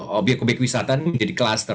kobik kobik wisata menjadi klaster